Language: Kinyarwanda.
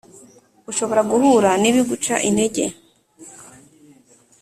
ushobora guhura n’ibiguca intege.